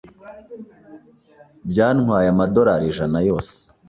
Byantwaye amadorari ijana yose.